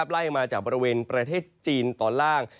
ไล่มาจากบริเวณประเทศจีนตอนล่าง